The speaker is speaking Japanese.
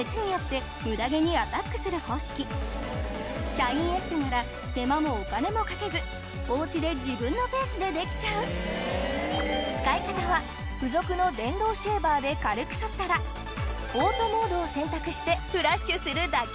シャインエステなら手間もお金もかけずお家で自分のペースでできちゃう使い方は付属の電動シェーバーで軽くそったらオートモードを選択してフラッシュするだけ！